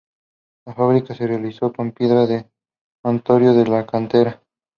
La fábrica se realizó con piedra de Hontoria de la Cantera.